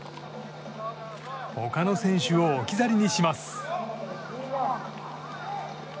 他の選手を置き去りにします。